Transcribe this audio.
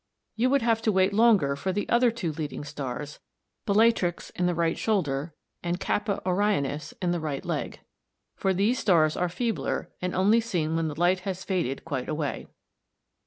You would have to wait longer for the other two leading stars, Bellatrix in the right shoulder and [Greek: k] Orionis in the right leg, for these stars are feebler and only seen when the light has faded quite away.